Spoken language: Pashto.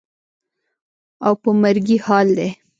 او په مرګي حال دى.